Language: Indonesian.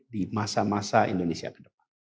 di masa masa indonesia ke depan